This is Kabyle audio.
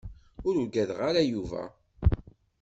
Ur uggadeɣ ara Yuba.